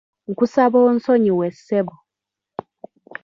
Nkusaba onsonyiwe ssebo.